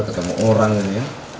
kamu orang ini ya